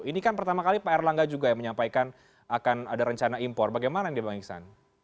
ini kan pertama kali pak erlangga juga yang menyampaikan akan ada rencana impor bagaimana ini bang iksan